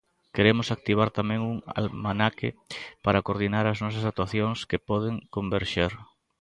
Queremos activar tamén un almanaque para coordinar as nosas actuacións que poden converxer.